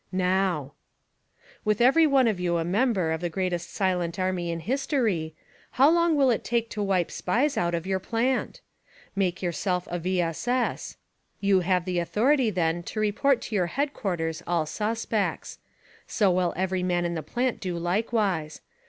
— NOW ! With every^ one of you a member of the greatest silent army in history, how long will it take to wipe SPIES out of your plant? Make yourself a V. S. S. You have the authority then to report to your headquarters all suspects. So will every man in the plant do likewise.